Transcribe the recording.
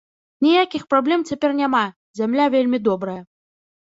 Ніякіх праблем цяпер няма, зямля вельмі добрая.